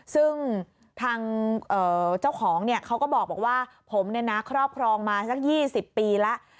ซึ่งทางเจ้าของเขาก็บอกว่าผมครอบครองมาสัก๒๐ปีแล้ว